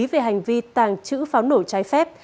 về hành vi tảng chữ pháo nổ trái phép